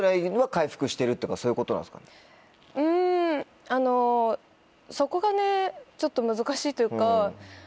うんあのそこがねちょっと難しいというか。